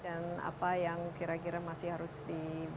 dan apa yang kira kira masih harus dibangun